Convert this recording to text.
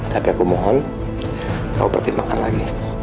tapi aku mohon kau pertimbangkan lagi